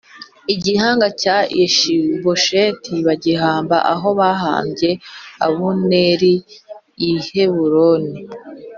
igihanga cya Ishibosheti bagihamba aho bahambye Abuneri i Heburoni